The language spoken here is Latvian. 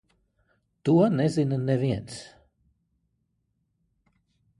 To nezina neviens.